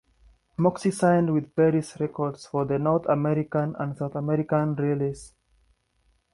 Moxy signed with Perris Records for the North American and South America release.